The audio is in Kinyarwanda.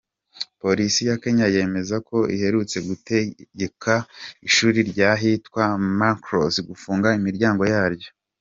Polisi ya Kenya yemeza ko iherutse gutegeka ishuri ry’ahitwa Machakos gufunga imiryango yaryo.